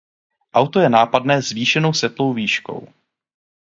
Auto je nápadné zvýšenou světlou výškou.